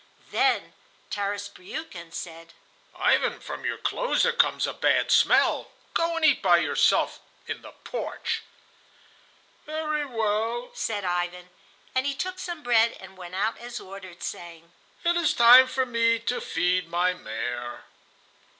Then Tarras Briukhan said: "Ivan, from your clothes there comes a bad smell; go and eat by yourself in the porch." "Very well," said Ivan; and he took some bread and went out as ordered, saying, "It is time for me to feed my mare."